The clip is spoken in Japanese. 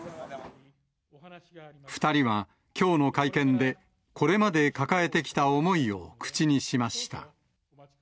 ２人はきょうの会見で、これまで抱えてきた思いを口にしました。